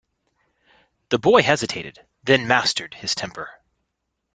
The boy hesitated, then mastered his temper.